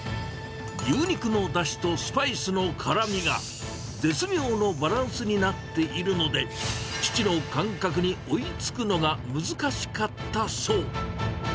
牛肉のだしとスパイスの辛みが、絶妙のバランスになっているので、父の感覚に追いつくのが難しかったそう。